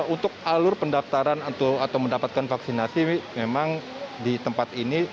untuk alur pendaftaran atau mendapatkan vaksinasi memang di tempat ini